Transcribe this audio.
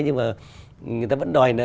nhưng mà người ta vẫn đòi